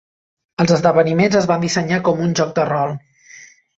Els esdeveniments es van dissenyar com un joc de rol.